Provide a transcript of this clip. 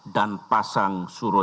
dan pasang suku